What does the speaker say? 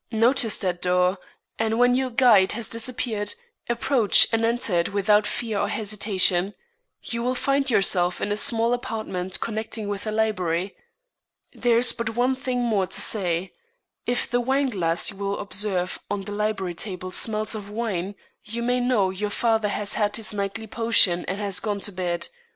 Notice that door, and when your guide has disappeared, approach and enter it without fear or hesitation. You will find yourself in a small apartment connecting with the library. "There is but one thing more to say. If the wineglass you will observe on the library table smells of wine, you may know your father has had his nightly potion and gone to bed.